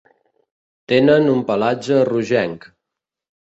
Tenen un pelatge rogenc.